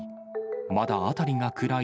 まだ辺りが暗い